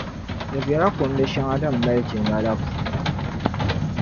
Di bela kundi shɛŋa din mali jilma la puuni.